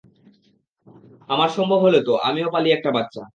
আমার সম্ভব হলে তো, আমিও পালি একটা বাচ্চা।